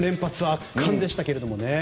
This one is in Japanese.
圧巻でしたけどね。